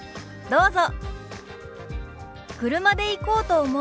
どうぞ。